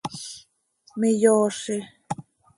miyoozi.